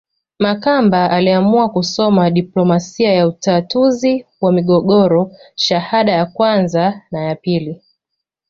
Makamba aliamua kusoma diplomasia ya utatuzi wa migogoro shahada ya kwanza na ya pili